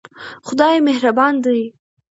خدای مهربان دی.